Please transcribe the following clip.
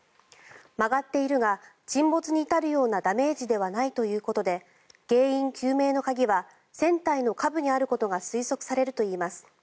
曲がっているが沈没に至るようなダメージではないということで原因究明の鍵は船体の下部にあることが推測されるといいます。